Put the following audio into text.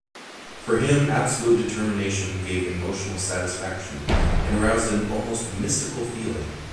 For him absolute determination gave emotional satisfaction and aroused an almost mystical feeling.